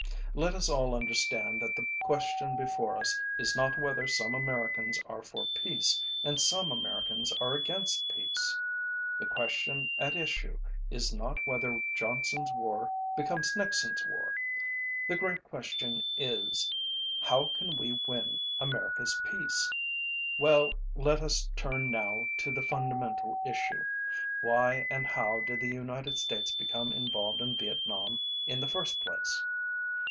Let us all understand that the question before us is not whether some Americans are for peace and some Americans are against peace. The question at issue is not whether JohnsonÆs war becomes NixonÆs war. The great question is: How can we win AmericaÆs peace? Well, let us turn now to the fundamental issue: Why and how did the United States become involved in Vietnam in the first place?